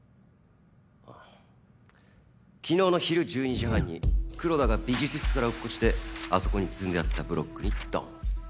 昨日の昼１２時半に黒田が美術室から落っこちてあそこに積んであったブロックにドン。